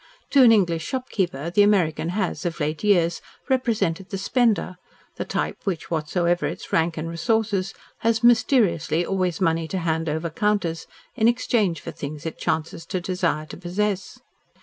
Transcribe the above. To an English shopkeeper the American has, of late years, represented the spender the type which, whatsoever its rank and resources, has, mysteriously, always money to hand over counters in exchange for things it chances to desire to possess.